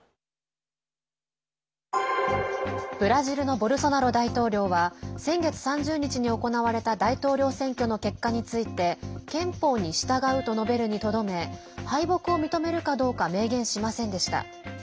ブラジルのボルソナロ大統領は先月３０日に行われた大統領選挙の結果について憲法に従うと述べるにとどめ敗北を認めるかどうか明言しませんでした。